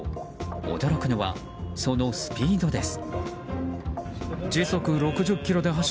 驚くのは、そのスピードです。